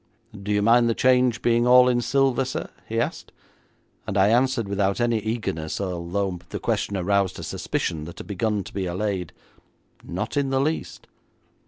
'Do you mind the change being all in silver, sir?' he asked, and I answered without any eagerness, although the question aroused a suspicion that had begun to be allayed, 'Not in the least.'